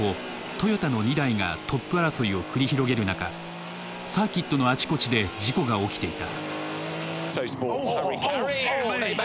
トヨタの２台がトップ争いを繰り広げる中サーキットのあちこちで事故が起きていた。